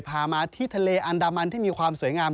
พามาที่ทะเลอันดามันที่มีความสวยงาม